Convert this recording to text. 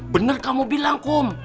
bener kamu bilang kum